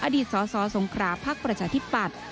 อดีตสสสงคราภักดิ์ประชาธิปัตย์